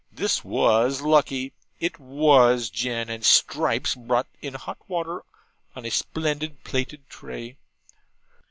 This was lucky. It WAS gin; and Stripes brought in hot water on a splendid plated tray.